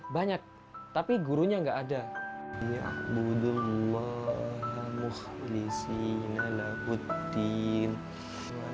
banyak tapi gurunya tidak ada